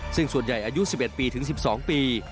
ซึ่งส่วนใหญ่อายุ๑๑ปีถึง๑๒ปี